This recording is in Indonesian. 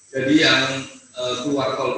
jadi yang keluar tol